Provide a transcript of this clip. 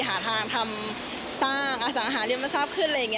หาทางทำสร้างอสาหาริมทรัพย์ขึ้น